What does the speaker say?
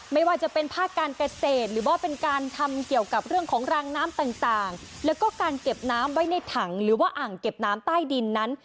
ไม่ว่าจะเป็นภาคการเกษตรหรือว่าเป็นการทำเกี่ยวกับเรื่องของรางน้ำต่างแล้วก็การเก็บน้ำไว้ในถังหรือว่าอ่างเก็บน้ำใต้ดินนั้น